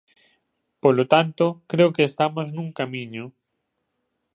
Polo tanto, creo que estamos nun camiño.